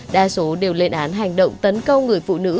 đa số đều lên án hành động tấn công người phụ nữ